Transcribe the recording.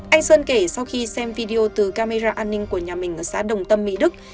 anh sơn kể sau khi xem video từ camera an ninh của nhà mình ở xã đồng tâm mỹ đức